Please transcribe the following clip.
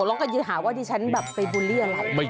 เขาก็อยู่หาว่าที่ฉันแบบไปบุรีย์อะไร